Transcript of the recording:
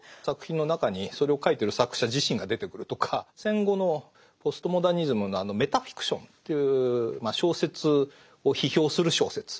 作品の中にそれを書いてる作者自身が出てくるとか戦後のポストモダニズムのあのメタフィクションという小説を批評する小説